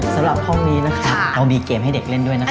สำหรับห้องนี้นะคะเรามีเกมให้เด็กเล่นด้วยนะคะ